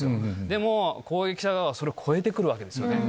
でも、攻撃した側はそれを越えてくるわけですよね。